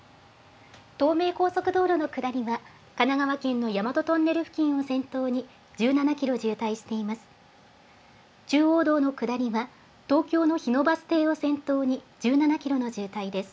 東名高速道路の下りは、神奈川県の大和トンネル付近を先頭に１７キロ渋滞しています。